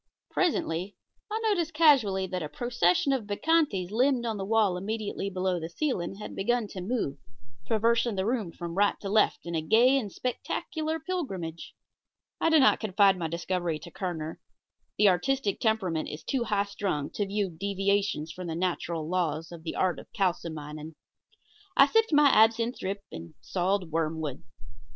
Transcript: Presently I noticed casually that a procession of bacchantes limned on the wall immediately below the ceiling had begun to move, traversing the room from right to left in a gay and spectacular pilgrimage. I did not confide my discovery to Kerner. The artistic temperament is too high strung to view such deviations from the natural laws of the art of kalsomining. I sipped my absinthe drip and sawed wormwood.